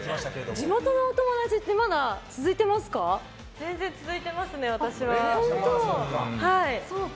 地元のお友達ってまだ続いてますか？